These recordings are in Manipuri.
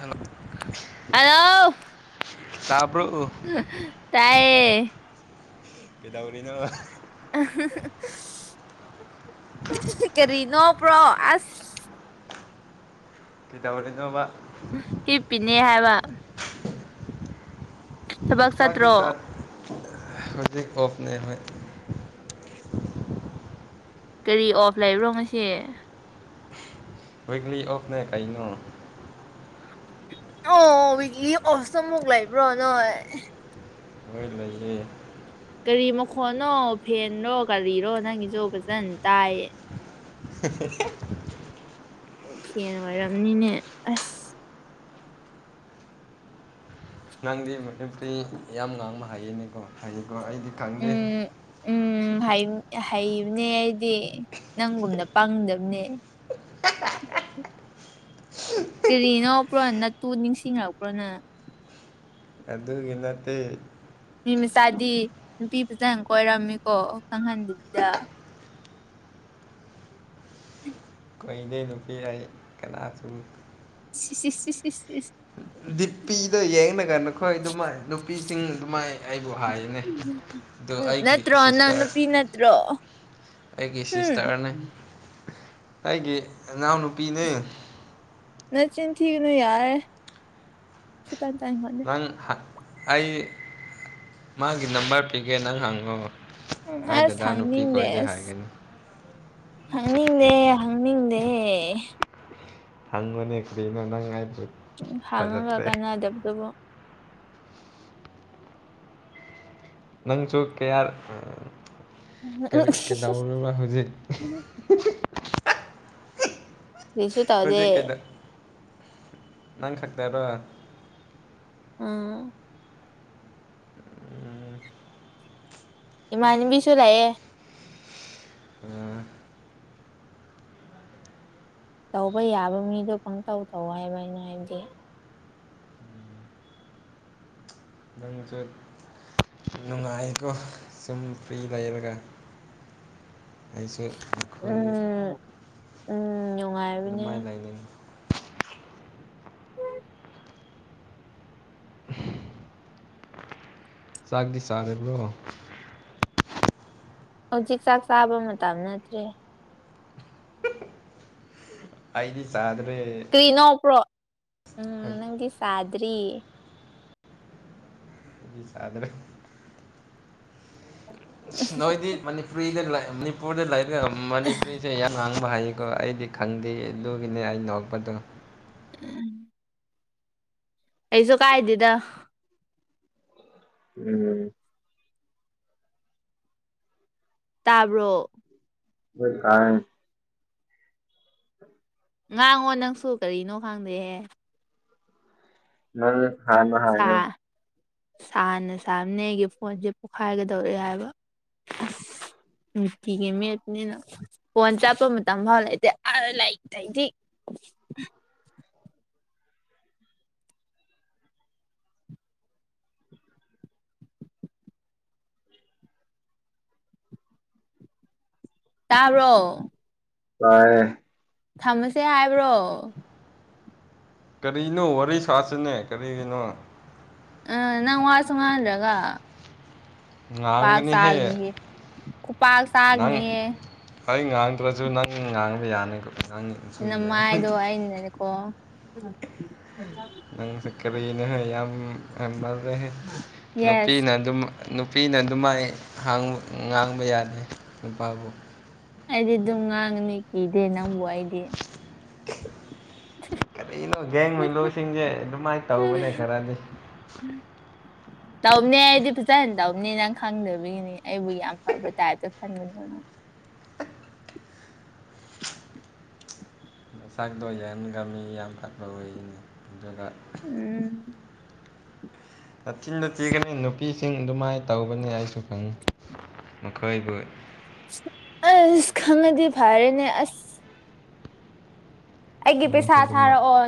ꯍꯂꯣ ꯍꯜꯂꯣ ꯇꯥꯕ꯭ꯔꯣ꯫ [unintelligible] ꯇꯥꯌꯦ꯫ ꯀꯩꯗꯧꯔꯤꯅꫭ꯫ [unintelligible] ꯀꯔꯤ ꯅꫭꯛꯄ꯭ꯔꯣ ꯑꯁ꯫ ꯀꯩꯗꯧꯔꯤꯅꫭꯕ꯫ ꯍꯤꯞꯄꯤꯅꯦ ꯍꯥꯏꯕ꯫ ꯊꯕꯛ ꯆꯥꯛꯗꯤ ꯆꯠꯇ꯭ꯔꯣ ꯆꯥ ꯍꯧꯖꯤꯛ ꯑꯣꯐꯅꯦ ꯍꫭꯏ꯫ ꯀꯔꯤ ꯑꯣꯐ ꯂꯩꯕ꯭ꯔꯣ ꯉꯁꯤ꯫ ꯋꯤꯛꯂꯤ ꯑꯣꯐꯅꯦ ꯀꯩꯅꯣ꯫ ꯑꯣ ꯋꯤꯛꯂꯤ ꯑꯣꯐꯁ ꯃꯨꯛ ꯂꯩꯕ꯭ꯔꯣ ꯅꯣꯏ꯫ ꯍꫭꯏ ꯂꯩꯌꯦ꯫ ꯀꯒꯥꯔꯤ ꯃꯈꯣꯅꯣ ꯐꯦꯟꯔꯣ ꯒꯥꯔꯤꯔꯣ ꯅꯪꯒꯤꯁꯨ ꯐꯖꯅ ꯇꯥꯏꯌꯦ꯫ [unintelligible] ꯐꯦꯅ ꯑꯣꯏꯔꯝꯅꯤꯅꯦ ꯑꯁ꯫ ꯅꯪꯗꯤ ꯃꯅꯤꯄꯨꯔꯤ ꯌꯥꯝ ꯉꯥꯡꯕ ꯍꯥꯏꯌꯦꯅꯦꯀꯣ ꯍꯥꯏꯌꯦꯀꯣ ꯑꯩꯗꯤ ꯈꯪꯗꯦ꯫ ꯎꯝ ꯎꯝ ꯍꯩ ꯍꯩꯕꯅꯦ ꯑꯩꯗꯤ ꯅꯪꯒꯨꯝꯅ ꯄꯪꯗꯕꯅꯦ꯫ ꯀꯔꯤ ꯅꯣꯛꯄ꯭ꯔꯣ ꯅꯠꯇꯨ ꯅꯤꯡꯁꯤꯡꯔꯛꯄ꯭ꯔꯣ ꯅꯪ꯫ ꯑꯗꯨꯒꯤ ꯅꯠꯇꯦ꯫ ꯅꯨ ꯃꯆꯥꯗꯤ ꯅꯨꯄꯤ ꯐꯖꯅ ꯀꯣꯏꯔꯝꯃꯤꯀꯣ ꯈꯪꯍꯟꯗꯕꯤꯗ꯫ ꯀꯣꯏꯗꯦ ꯅꯨꯄꯤ ꯑꯩ ꯀꯅꯥꯁꯨ꯫ ꯏꯁ ꯏꯁ ꯏꯁ ꯏꯁ ꯏꯁ ꯗꯤꯄꯤꯗ ꯌꯦꯡꯉ ꯀꯥꯟ ꯅꯈꯣꯏ ꯑꯗꯨꯃꯥꯏ ꯅꯨꯄꯤꯁꯤꯡ ꯑꯗꯨꯃꯥꯏ ꯑꯩꯕꯨ ꯍꯥꯏꯕꯅꯦ ꯅꯠꯇ꯭ꯔꯣ ꯅꯪꯅꯨꯄꯤ ꯅꯠꯇ꯭ꯔꯣ ꯑꯩꯒꯤ ꯎꯝ ꯁꯤꯁꯇꯔꯅꯦ ꯑꯩꯒꯤ ꯏꯅꯥꯎꯅꯨꯄꯤꯅꯦ ꯅꯆꯤꯟ ꯊꯤꯒꯅꯨ ꯌꯥꯔꯦ ꯁꯨꯡꯇꯥ ꯇꯥꯅꯤꯡꯉꯣ ꯅꯪ ꯑꯩ ꯃꯥꯒꯤ ꯅꯝꯕꯔ ꯄꯤꯒꯦ ꯅꯪ ꯍꯪꯉꯣ ꯎꯝ ꯑꯩ ꯑꯁ ꯗꯗꯥ ꯅꯨꯄꯤ ꯍꯪꯅꯤꯡꯗꯦ ꯀꯣꯏꯗꯦ ꯑꯁ ꯍꯥꯏꯒꯅꯤ ꯍꯪꯅꯤꯡꯗꯦ ꯍꯪꯅꯤꯡꯗꯦ ꯍꯪꯉꯨꯅꯦ ꯀꯔꯤꯅꫭ ꯅꯪ ꯑꯩꯏꯕꯨ ꯎꯝ ꯍꯪꯉꯒ ꯀꯥꯟꯅꯗꯕꯗꯨꯕꯨ ꯅꯪꯁꯨ ꯀꯌꯥ ꯎꯝ ꯀꯩꯗꯧꯔꯕ ꯍꯧꯖꯤꯛ ꯀꯔꯤꯁꯨ ꯇꯧꯗꯦ ꯐꯣꯖꯦꯛ ꯀꯩꯗ ꯅꯪ ꯈꯠꯇꯥꯔꯣ ꯎꯝ ꯎꯝ ꯏꯃꯥꯟꯅꯤꯕꯤꯁꯨ ꯂꯩꯌꯦ ꯎꯝ ꯇꯧꯕ ꯌꯥꯕ ꯃꯤꯗꯣ ꯄꯪꯇꯧ ꯇꯧ ꯍꯥꯏꯕ ꯑꯩꯅ ꯍꯥꯏꯕꯗꯤ ꯅꯪꯁꯨ ꯅꯨꯡꯉꯥꯏꯀꯣ ꯁꯨꯝ ꯐ꯭ꯔꯤ ꯂꯩꯔꯒ [inaudible] ꯑꯩꯁꯨ ꯑꯩꯈꯣꯏ ꯎꯝ ꯎꯝ ꯅꯨꯡꯉꯥꯏꯕꯅꯦ ꯑꯗꯨꯃꯥꯏ ꯂꯩꯥꯏꯅꯤꯡꯏ ꯆꯥꯛꯇꯤ ꯆꯥꯔꯕ꯭ꯔꯣ ꯍꯧꯖꯤꯛ ꯆꯥꯛ ꯆꯥꯕ ꯃꯇꯝ ꯅꯠꯇ꯭ꯔꯦ ꯑꯩꯗꯤ ꯆꯥꯗꯨ꯭ꯔꯦ ꯀꯔꯤꯅꫭꯛꯄ꯭ꯔꯣ ꯎꯝ ꯅꯪꯗꯤ ꯆꯥꯗ꯭ꯔꯤ ꯑꯩꯗꯤ ꯆꯥꯗ꯭ꯨꯔꯦ ꯅꯣꯏꯗꯤ ꯃꯅꯤꯄꯨꯔꯤꯗ ꯂꯩ ꯃꯅꯤꯄꯨꯔꯗ ꯂꯩꯏꯔꯒ ꯃꯅꯤꯄꯨꯔꯤ ꯁꯦ ꯌꯥꯝ ꯉꯥꯡꯕ ꯍꯥꯏꯌꯦꯀꯣ ꯑꯩꯗꯤ ꯈꯪꯗꯦ ꯑꯗꯨꯒꯤꯅꯦ ꯑꯩ ꯅꯣꯛꯄꯗꯣ ꯎꯝ ꯀꯩꯁꯨ ꯀꯥꯏꯗꯦꯗ ꯎꯝ ꯇꯥꯕ꯭ꯔꯣ [unintelligible] ꯀꯥꯏ ꯉꯥꯡꯉꯣ ꯅꯪꯁꯨ ꯀꯔꯤꯅꯣ ꯈꯪꯗꯦꯍꯦ ꯅꯪ ꯍꯥꯟꯅ ꯁꯥ ꯍꯥꯏꯌꯨ ꯁꯥꯅ ꯁꯥꯕꯅꯦ ꯑꯩꯒꯤ ꯐꯣꯟꯁꯦ ꯄꯣꯛꯈꯥꯏꯒꯗꯧꯔꯑꯦ ꯍꯥꯏꯕ ꯑꯁ ꯅꯨꯡꯇꯤꯒꯤ ꯃꯦꯞꯄꯅꯤꯅ ꯐꯣꯟ ꯆꯠꯄ ꯃꯇꯝ ꯐꯥꯎ ꯂꯩꯇꯦ ꯑꯥ ꯂꯥꯏꯇꯤꯏꯗꯤ ꯇꯥꯕ꯭ꯔꯣ ꯇꯥꯏꯌꯦ ꯊꯝꯃꯁꯦ ꯍꯥꯏꯕ꯭ꯔꯣ ꯀꯔꯤꯅꯣ ꯋꯥꯔꯤ ꯁꯥꯁꯤꯅꯦ ꯀꯔꯤꯒꯤꯅꯣ ꯑꯥ ꯅꯪ ꯋꯥꯁꯨ ꯉꯥꯡꯗ꯭ꯔꯒ ꯈꯨꯄꯥꯛ ꯉꯥꯡꯒꯅꯤꯍꯦ ꯆꯥꯒꯅꯤꯍꯦ ꯈꯨꯄꯥꯛ ꯅꯪ ꯆꯥꯒꯅꯤꯍꯦ ꯑꯩ ꯉꯥꯡꯗ꯭ꯔꯁꯨ ꯅꯪ ꯉꯥꯡꯕ ꯌꯥꯅꯤꯀꯣ ꯅꯪ ꯅꯃꯥꯏꯗꯣ ꯑꯩꯅꯅꯤ ꯀꯣ ꯅꯪꯁꯨ ꯀꯔꯤꯅꯣꯍꯦ ꯌꯥꯝ ꯉꯝꯃꯟꯂꯦꯍꯦ ꯌꯦꯁ ꯅꯨꯄꯤꯅ ꯑꯗꯨꯝ ꯅꯨꯄꯤꯅ ꯑꯗꯨꯃꯥꯏ ꯍꯥꯡ ꯉꯥꯡꯕ ꯌꯥꯗꯦ ꯅꯨꯄꯥꯕꯨ ꯑꯩꯗꯤ ꯑꯗꯨꯝ ꯉꯥꯡꯒꯅꯤ ꯀꯤꯗꯦ ꯅꯪꯕꯨ ꯑꯩꯗꯤ ꯀꯔꯤꯅꯣ ꯒꯦꯡꯃꯩꯂꯨꯁꯤꯡꯁꯦ ꯑꯗꯨꯃꯥꯏꯟ ꯇꯧꯕꯅꯦ ꯈꯔꯗꯤ [inaudible] ꯇꯧꯕꯅꯦ ꯑꯩꯗꯤ ꯐꯖꯅ ꯇꯧꯕꯅꯦ ꯅꯪ ꯈꯪꯗꯕꯤꯒꯤꯅꯤ ꯑꯩꯕꯨ ꯌꯥꯝ ꯐꯕ ꯇꯥꯏꯞꯇ [inaudible] ꯁꯛꯇꯣ [unintelligible] ꯎꯝ ꯅꯥꯆꯤꯟꯗ ꯊꯤꯒꯅꯤ ꯅꯨꯄꯤꯁꯤꯡ ꯑꯗꯨꯃꯥꯏꯅ ꯇꯧꯕꯅꯤ ꯑꯩꯁꯨ ꯈꯪꯉꯤ ꯃꯈꯣꯏꯕꯨ ꯑꯁ ꯈꯪꯡꯉꯗꯤ ꯐꯔꯦꯅꯦ ꯑꯁ ꯑꯩꯒꯤ ꯄꯩꯁꯥ ꯅꯪꯁꯨ ꯑꯗꯨꯃꯥꯏ ꯊꯥꯔꯛꯑꯣ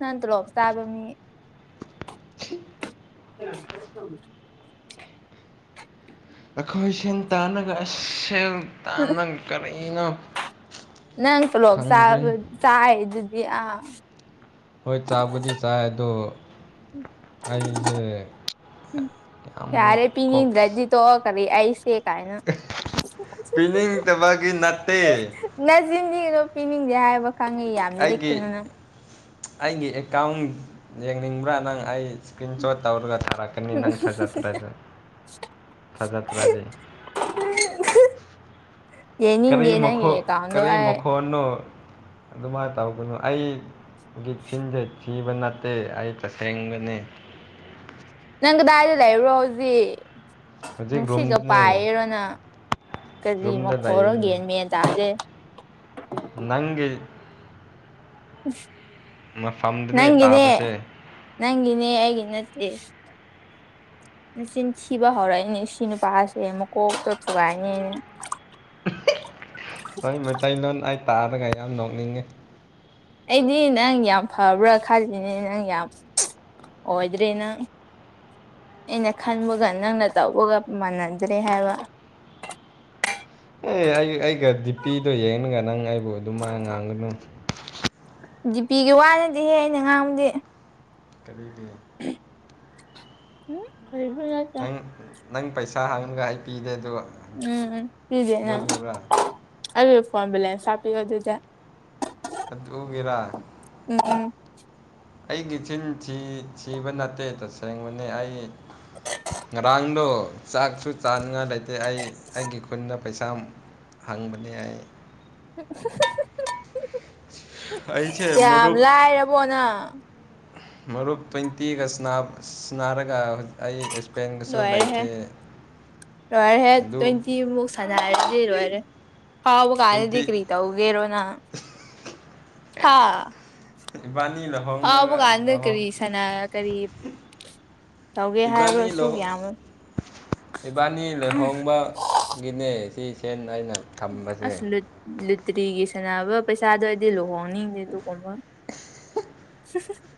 ꯅꯪ ꯇꯣꯂꯣꯞ ꯆꯥꯕ ꯃꯤ [inaudible] ꯑꯩꯈꯣꯏ ꯁꯦꯟ ꯇꯥꯅꯒ ꯑꯁ ꯁꯦꯜ ꯇꯥꯟꯅꯒ ꯀꯔꯤꯅꯣ ꯅꯪ ꯊꯂꯣꯞ ꯆꯥꯕ ꯈꯪꯗ꯭ꯔꯤ ꯆꯥꯔꯤꯗꯨꯗꯤ ꯑ ꯍꯣꯏ ꯆꯥꯕꯨꯗꯤ ꯆꯥꯏ ꯑꯗꯣ ꯑꯩꯁꯦ ꯌꯥꯝ ꯀꯣꯛ ꯇꯣꯛ ꯑꯣ ꯀꯔꯤ ꯑꯩꯁꯦ ꯀꯥꯏꯅ ꯄꯤꯅꯤꯡꯗꯕꯒꯤ ꯅꯠꯇꯦ ꯅꯆꯤꯟꯊꯤꯒꯅꯨ ꯄꯤꯅꯤꯡꯗꯦ ꯍꯥꯏꯕ ꯈꯪꯉꯦ ꯌꯥꯝ ꯑꯩꯒꯤ ꯂꯤꯛꯀꯅꯨꯅ ꯑꯩꯒꯤ ꯑꯦꯀꯥꯎꯟ ꯌꯦꯡꯅꯤꯡꯕ꯭ꯔꯥ ꯅꯪ ꯑꯩ ꯁꯀ꯭ꯔꯤꯟꯁꯣꯠ ꯇꯧꯔꯒ ꯊꯥꯔꯛꯀꯦ ꯅꯤ ꯊꯖꯗ꯭ꯔꯗꯤ ꯊꯖꯗ꯭ꯔꯗꯤ ꯌꯦꯡꯅꯤꯡꯗꯦ ꯅꯪꯒꯤ ꯑꯦꯀꯥꯎꯟꯗꯣ ꯑꯩ ꯅꯣ ꯑꯗꯨꯃꯥꯏꯅ ꯇꯧꯒꯅꯨ ꯑꯩꯒꯤ ꯆꯤꯟꯁꯦ ꯊꯤꯕ ꯅꯠꯇꯦ ꯑꯩ ꯇꯁꯦꯡ ꯅꯅꯦ ꯅꯪ ꯀꯗꯥꯏꯗ ꯂꯩꯕ꯭ꯔꯣ ꯍꯧꯖꯤꯛ ꯍꯧꯖꯤꯛ ꯅꯨꯡꯁꯤꯠꯒ ꯔꯨꯝꯗꯅꯦ ꯄꯥꯏꯤꯔꯣ ꯅꯪ ꯀꯔꯤ ꯔꯨꯝꯗ ꯃꯈꯣꯟꯔꯣ ꯂꯩꯅꯤ ꯒꯌꯥꯟ ꯃꯦꯟ ꯇꯗꯦ ꯅꯪꯒꯤ ꯃꯐꯝꯗꯨꯅꯦ ꯅꯪꯒꯤꯅꯦ ꯇꯥꯕꯁꯦ ꯅꯪꯒꯤꯅꯦ ꯑꯤꯒꯤ ꯅꯠꯇꯦ ꯅꯆꯤꯟ ꯊꯤꯕ ꯍꯧꯔꯛꯏꯅꯦ ꯑꯁꯤ ꯅꯨꯄꯥꯁꯦ ꯃꯀꯣꯛꯇꯣ ꯊꯨꯒꯥꯏꯅꯦ ꯑꯩꯅ ꯍꯣꯏ ꯃꯩꯇꯩꯂꯣꯟ ꯑꯩ ꯇꯥꯔꯒ ꯌꯥꯝ ꯅꯣꯛꯅꯤꯡꯉꯤ ꯑꯩꯗꯤ ꯅꯪ ꯌꯥꯝ ꯐꯕ꯭ꯔꯥ ꯈꯜꯂꯤꯅꯦ ꯅꯪ ꯌꯥꯝ ꯑꯣꯏꯗ꯭ꯔꯦ ꯅꯪ ꯑꯩꯅ ꯈꯟꯕꯒ ꯅꯪꯅ ꯇꯧꯕꯒ ꯃꯥꯟꯅꯗ꯭ꯔꯦ ꯍꯥꯏꯕ ꯑꯦ ꯑꯩ ꯑꯩꯒ ꯗꯤꯄꯤꯗꯣ ꯌꯦꯡꯉꯒ ꯅꯪ ꯑꯩꯕꯨ ꯑꯗꯨꯝ ꯃꯥꯢ ꯉꯥꯡꯒꯅꯨ ꯗꯤꯄꯤꯒꯤ ꯋꯥ ꯅꯠꯇꯦꯍꯦ ꯑꯩꯅ ꯉꯥꯡꯕꯗꯤ ꯀꯔꯤꯒꯤ ꯍꯨ ꯀꯔꯤꯁꯨ ꯅꯠ ꯅꯪ ꯅꯪ ꯄꯩꯁꯥ ꯍꯪꯅꯤꯉꯥꯏ ꯑꯩ ꯄꯤꯗꯦ ꯗꯣꯒ ꯎꯝ ꯄꯤꯗꯦꯅ ꯑꯩꯒꯤ ꯐꯣꯟ ꯕꯦꯂꯦꯟꯁ ꯍꯥꯞꯄꯤꯌꯣ ꯑꯗꯨꯗꯤ [unintelligible] ꯎꯝꯝ ꯑꯩꯒꯤ ꯆꯤꯟ ꯁꯤ ꯊꯤꯕ ꯅꯠꯇꯦ ꯇꯁꯦꯡꯕꯅꯤ ꯑꯩ ꯉꯔꯥꯡꯗꯣ ꯆꯥꯛꯁꯨ ꯆꯥꯅꯤꯡꯉꯥꯏ ꯂꯩꯇꯦ ꯑꯩ ꯑꯩꯒꯤ ꯈꯨꯟꯗ ꯄꯩꯁꯥ ꯍꯥꯡꯕꯅꯦ ꯑꯩꯏ ꯑꯩꯁꯦ ꯌꯥꯝ ꯃꯔꯨꯞ ꯂꯥꯏꯔꯕꯣꯅ ꯃꯔꯨꯞ ꯇ꯭ꯋꯦꯟꯇꯤꯒꯅꯥꯔꯒ ꯑꯩ ꯏꯁꯄꯦꯟꯒꯁꯨ ꯂꯣꯏꯔꯦꯍꯦ ꯂꯩꯇꯦ ꯑꯗꯨ ꯑꯔꯔꯦ ꯍꯥꯎꯕ ꯀꯥꯅꯤꯗꯤ ꯇ꯭ꯋꯦꯟꯇꯤ ꯀꯔꯤ ꯇꯧꯒꯦꯔꯣ ꯅ ꯍꯥꯥ ꯏꯕꯥꯅꯤ ꯐꯝꯃꯒꯥ ꯂꯍꯣꯡꯅꯅꯥꯒ ꯂꯍꯣꯡ ꯀꯔꯤ ꯁꯅꯥ ꯀꯔꯤ ꯇꯧꯒꯦ ꯍꯥꯏꯕ꯭ꯔꯣ ꯏꯕꯥꯅꯤ ꯑꯁꯨꯛ ꯌꯥꯝꯃ ꯂꯍꯏꯕꯥꯅꯤ ꯂꯦꯍꯣꯡꯕ ꯒꯤꯅꯦ ꯁꯤ ꯁꯦꯟ ꯑꯩꯅ ꯑꯁ ꯊꯝꯕꯁꯦ ꯂꯨꯇ꯭ꯔꯤꯒꯤ ꯁꯥꯟꯅꯕ ꯄꯩꯁꯥꯗꯣ ꯑꯩꯗꯤ ꯂꯨꯍꯣꯡꯅꯤꯡꯗꯦ ꯑꯗꯨꯒꯨꯝꯕ [unintelligible]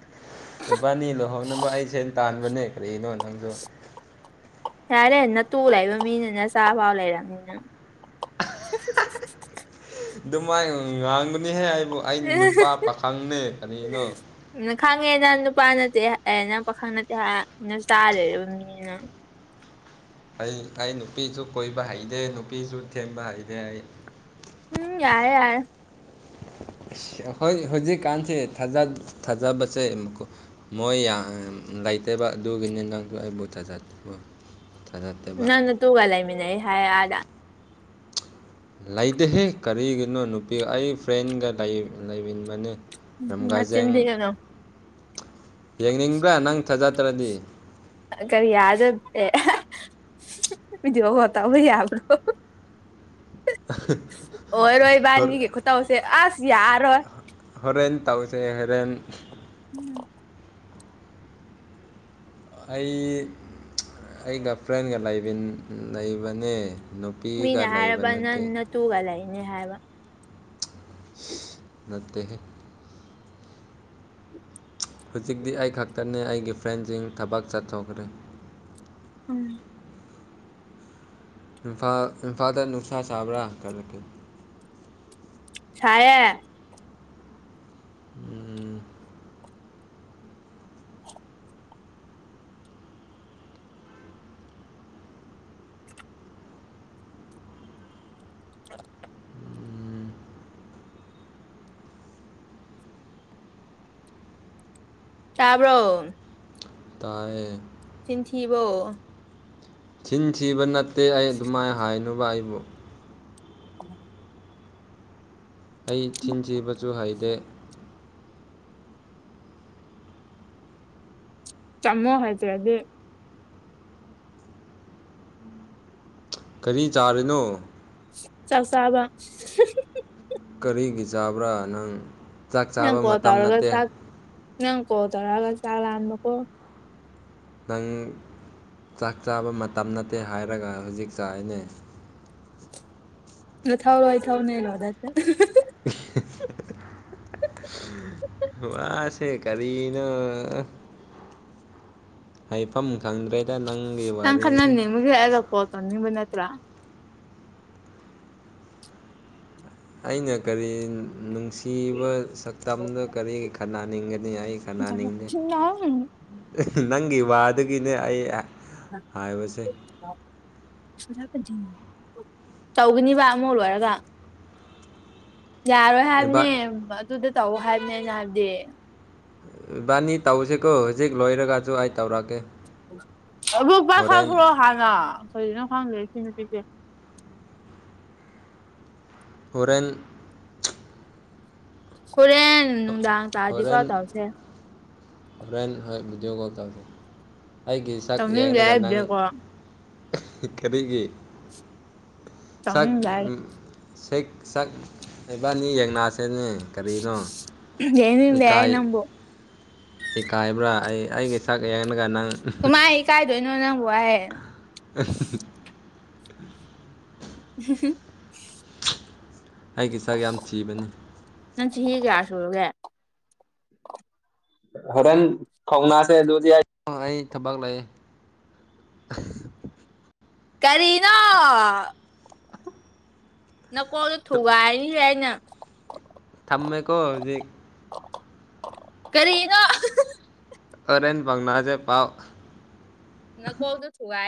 ꯂꯄꯥꯅꯤ ꯂꯨꯍꯧꯅꯕ ꯑꯩ ꯁꯦ ꯇꯥꯟꯕꯅꯦ ꯀꯔꯤꯅꯣ ꯅꯪꯗ ꯌꯥꯔꯦ ꯅꯠꯇꯨ ꯂꯩꯕ ꯃꯤꯅꯤꯅ ꯆꯥꯛꯐꯥꯎ ꯂꯩꯔꯕꯅꯤꯅ ꯑꯗꯨꯃꯥꯏ ꯉꯥꯡꯕꯅꯤꯍꯦ ꯍꯥꯏꯕꯨ ꯑꯩ ꯅꯨꯄꯥ ꯄꯥꯈꯪꯅꯦ ꯀꯔꯤꯅꯣ ꯎ ꯈꯪꯉꯦꯅ ꯅꯨꯄꯥ ꯅꯠꯇꯦ ꯑꯅ ꯄꯥꯈꯪ ꯅꯠꯇꯦ ꯍꯥꯏ ꯅ ꯆꯥꯗꯣꯏꯔꯤꯕꯅꯤꯅ ꯑꯩ ꯑꯩ ꯅꯨꯄꯤꯁꯨ ꯀꯣꯏꯕ ꯍꯩꯇꯦ ꯅꯨꯄꯤꯁꯨ ꯊꯦꯝꯕ ꯍꯩꯇꯦ ꯑꯩ ꯎꯝ ꯌꯥꯏꯔꯦ ꯌꯥꯔꯦ ꯍꯣꯏ ꯍꯧꯖꯤꯛꯀꯥꯟꯁꯤꯦ ꯊꯥꯖꯕꯁꯦ ꯑꯃꯨꯛꯀ ꯃꯣꯏ ꯂꯩꯇꯕ ꯑꯗꯨꯒꯤꯅꯤ ꯅꯪꯁꯨ ꯑꯩꯕꯨꯠꯇ ꯆꯥꯠꯠꯇꯦ ꯅꯪ ꯅꯇꯨ ꯒꯥ ꯂꯩꯃꯤꯟꯅ ꯍꯥꯏꯗ ꯂꯩꯗꯍꯦ ꯀꯔꯤꯒꯤꯅꯣ ꯅꯨꯄꯤꯒ ꯑꯩ ꯐ꯭ꯔꯦꯟꯒ ꯂꯩꯃꯤꯟꯕꯅꯤ ꯅꯆꯤꯟ ꯆꯤꯟꯗꯤꯒꯅꯣ ꯌꯦꯡꯅꯤꯡꯕ꯭ꯔꯥ ꯅꯪ ꯊꯥꯖꯗ꯭ꯔꯗꯤ ꯀꯔꯤ ꯌꯥꯗꯦ ꯚꯤꯗꯤꯑꯣꯒꯣ ꯇꯧꯕ ꯌꯥꯕ꯭ꯔꯣ ꯑꯣꯏꯔꯣꯏ ꯏꯕꯥꯅꯤꯒꯤ ꯈꯨꯠꯇꯧꯁꯦ ꯑꯁ ꯌꯥꯔꯔꯣꯏ ꯍꯣꯔꯦꯟ ꯇꯧꯁꯦ ꯍꯣꯔꯦꯟ [unintelligible] ꯑꯩ ꯑꯩꯒ ꯐ꯭ꯔꯦꯟꯒ ꯂꯩꯕꯅꯦ ꯅꯨꯄꯤꯒ ꯂꯩꯕ ꯅꯠꯇꯦ ꯇꯨꯒ ꯂꯩꯅꯦ ꯍꯥꯏꯕ ꯅꯠꯇ ꯍꯧꯖꯤꯛꯇꯤ ꯑꯩ ꯈꯛꯇꯅꯦ ꯑꯩꯒꯤ ꯐ꯭ꯔꯦꯟꯁꯤꯡ ꯊꯕꯛ ꯆꯠꯊꯣꯛꯈ꯭ꯔꯦ ꯎꯝ ꯏꯝꯐꯥ ꯏꯝꯐꯥꯇ ꯅꯨꯨꯁꯥ ꯆꯕꯔꯥ ꯀꯦ ꯁꯥꯌꯦ ꯎꯝ [unintelligible] ꯎꯝ ꯇꯥꯕ꯭ꯔꯣ ꯇꯌꯦ ꯆꯤꯟꯊꯤꯕꯣ ꯆꯤꯟ ꯊꯤꯕ ꯅꯠꯇꯦ ꯑꯩ ꯑꯗꯨꯃꯥꯏꯅ ꯍꯥꯏꯅꯨꯕ ꯑꯩꯕꯨ [inaudible] ꯑꯩ ꯆꯤꯟ ꯊꯤꯕꯁꯨ ꯍꯩꯗꯦ ꯆꯪꯃꯣ ꯍꯥꯏꯁꯦꯗꯤ ꯀꯔꯤ ꯆꯥꯔꯤꯅꯣ ꯆꯥꯛ ꯆꯥꯕꯥ ꯀꯔꯤꯒꯤ ꯆꯥꯕ꯭ꯔꯥ ꯅꯪ ꯆꯥꯛ ꯅꯪ ꯆꯥꯕ ꯀꯣꯜ ꯃꯇꯝ ꯇꯧꯔꯒ ꯅꯠꯇꯦ ꯆꯥꯛ ꯅꯪ ꯀꯣ ꯇꯔꯒ ꯆꯥꯒ ꯅꯀꯣ ꯅꯪ ꯆꯥꯛ ꯆꯥꯕ ꯃꯇꯝ ꯅꯠꯇꯦ ꯍꯥꯏꯔꯒ ꯍꯧꯖꯤꯛ ꯆꯥꯔꯤꯅꯦ ꯅ ꯊꯥꯎ ꯊꯥꯎ ꯅ ꯂꯗ ꯋꯥꯁꯦ ꯀꯔꯤꯅꯣ ꯍꯥꯏꯐꯝ ꯈꯪꯗ꯭ꯔꯦ ꯅꯪ ꯈꯅꯤꯒ ꯌꯥꯗꯄꯣꯧꯅꯤꯟ꯭ꯔꯥ ꯑꯩꯅ ꯀꯔꯤ ꯅꯨꯡꯁꯤꯕ ꯁꯛꯇꯝꯗ ꯀꯔꯤ ꯈꯟꯅꯟꯅꯅꯤꯡꯒꯅꯤ ꯑꯩ ꯈꯟꯅꯅꯤꯡꯗꯦ ꯑꯥꯎ ꯅꯪꯒꯤ ꯋꯥꯗꯒꯤꯅꯦ ꯑꯩ ꯍꯥꯏꯕꯁꯦ ꯇꯧꯒꯅꯤꯕ ꯑꯃ ꯂꯣꯏꯔꯒ ꯌꯥꯔꯣꯏ ꯏꯕꯥ ꯍꯥꯏꯕꯅꯦ ꯑꯗꯨꯗ ꯇꯧ ꯍꯥꯏꯕꯅꯦꯩꯅ ꯍꯥꯏꯕꯗꯤ ꯏꯕꯥꯅꯤ ꯇꯧꯁꯤꯦꯀꯣ ꯍꯧꯖꯤꯛ ꯂꯣꯏꯔꯒꯁꯨ ꯑꯩ ꯇꯧꯔꯛꯑꯒꯦ ꯑꯣꯛꯕꯥ ꯈꯪꯈ꯭ꯔꯣ ꯍꯥꯟꯅ ꯐꯔꯤꯅꯣ ꯈꯪꯗ꯭ꯔꯦꯅ ꯀꯦ ꯍꯣꯔꯦꯟ ꯀꯔꯦ ꯅꯅꯨꯡ ꯗꯗꯥ ꯇꯥꯖꯤꯨ ꯍꯣꯔꯦꯟ ꯀꯥꯎ ꯇꯧꯁꯦ ꯍꯣꯔꯦꯟ ꯍꯣꯏ ꯗꯤꯒꯧ ꯇꯗ ꯑꯩꯒꯤ ꯁꯛ ꯇꯧꯅꯤꯡꯗꯦ ꯌꯦꯡꯔꯒ ꯅꯪ ꯍꯥꯏꯕꯗꯀꯣ ꯄꯤꯛ ꯈꯦꯕꯤꯒꯤ ꯇꯧꯅꯤꯡꯗꯦ ꯍꯥꯏ ꯁꯛꯕꯥꯅꯤ ꯌꯦꯡꯅꯥꯛꯁꯤꯅꯦ ꯀꯔꯤꯅꯣ ꯌꯦꯅꯤ ꯗꯦꯏ ꯅꯝꯕꯕꯨ ꯍ ꯀꯥꯏꯕ꯭ꯔꯥ ꯑꯩ ꯑꯩꯒ ꯆꯥꯛ ꯌꯦꯡꯉꯒ ꯅꯪ ꯇꯨꯃꯥꯏ ꯑꯩ ꯀꯥꯏ ꯣꯏꯅꯅ ꯍꯋꯥꯍꯦ ꯑ [unintelligible] ꯍ ꯑꯩꯒꯤ ꯆꯥꯛ ꯌꯥꯝ ꯊꯤꯕꯅꯤ ꯅꯟꯁꯤ ꯍꯤꯒꯌꯥꯁꯨꯨꯔꯒꯦ ꯍꯣꯔꯦꯟ ꯈꯧꯅꯥꯁꯦ ꯑꯗꯨꯗꯤ ꯑꯩ ꯊꯕꯛ ꯂꯩꯦ ꯀꯔꯤꯅꯥ ꯅꯀꯣꯡꯗꯣ ꯊꯨꯒꯥꯏꯅꯤꯁꯦ ꯑꯩꯅ ꯊꯃꯦꯀꯣꯖꯤ ꯀꯔꯤꯒ ꯈꯔ ꯑꯦꯟ ꯄꯪꯅꯆꯦ ꯄꯥꯎ ꯅ ꯀꯧꯗ ꯊꯨ ꯍꯥꯏꯏ